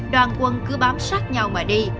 đoàn quân cứ bám sát nhau mà đi